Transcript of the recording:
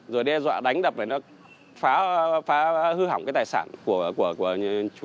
rồi đe dọa đánh đập này nó phá hư hỏng cái tài sản của chủ